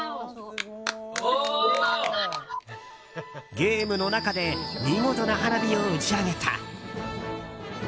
ゲームの中で見事な花火を打ち上げた。